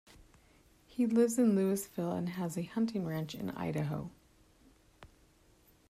He lives in Louisville and has a hunting ranch in Idaho.